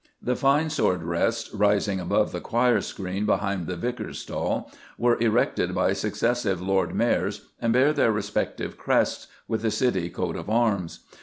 The fine sword rests, rising above the choir screen behind the Vicar's stall, were erected by successive Lord Mayors and bear their respective crests, with the City coat of arms.